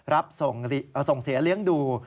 รับส่งเสียเลี้ยงดู